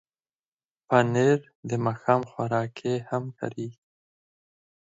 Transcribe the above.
پنېر د ماښام خوراک کې هم کارېږي.